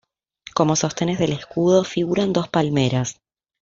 Como sostenes del escudo figuran dos palmeras.